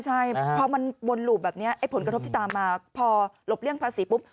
ใช่พอมันวนหลูบแบบนี้ไอ้ผลกระทบที่ตามมาพอหลบเลี่ยงภาษีปุ๊บ